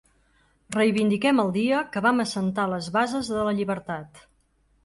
Reivindiquem el dia que vam assentar les bases de la llibertat.